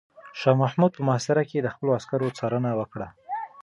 شاه محمود په محاصره کې د خپلو عسکرو څارنه وکړه.